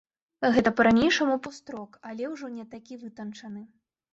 Гэта па-ранейшаму пост-рок, але, ўжо не такі вытанчаны.